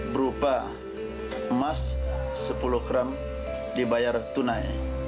berupa emas sepuluh gram dibayar tunai